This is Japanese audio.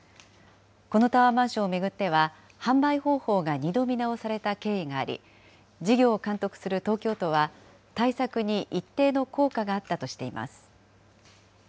このタワーマンションを巡っては、販売方法が２度見直された経緯があり、事業を監督する東京都は、対策に一定の効果があったとしています。